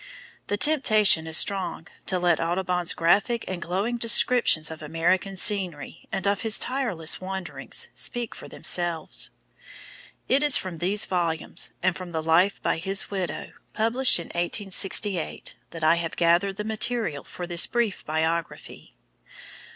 The temptation is strong to let Audubon's graphic and glowing descriptions of American scenery, and of his tireless wanderings, speak for themselves. It is from these volumes, and from the life by his widow, published in 1868, that I have gathered the material for this brief biography.